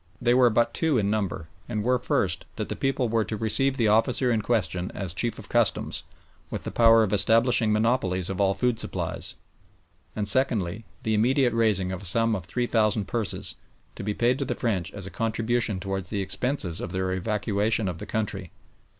They were but two in number, and were, first, that the people were to receive the officer in question as Chief of Customs, with the power of establishing monopolies of all food supplies; and secondly, the immediate raising of a sum of three thousand purses, to be paid to the French as a contribution towards the expenses of their evacuation of the country.